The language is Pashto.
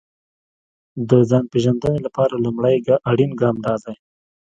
د ځان پېژندنې لپاره لومړی اړين ګام دا دی.